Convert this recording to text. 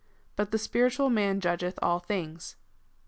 But the spiritual man judgeth all things.